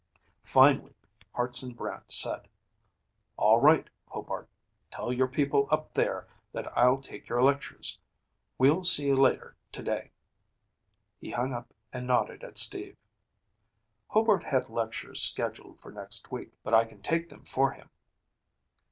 Finally, Hartson Brant said, "All right, Hobart. Tell your people up there that I'll take your lectures. We'll see you later today." He hung up and nodded at Steve. "Hobart had lectures scheduled for next week, but I can take them for him.